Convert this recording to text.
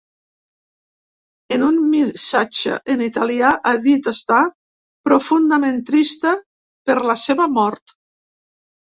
En un missatge en italià ha dit estar “profundament trista” per la seva mort.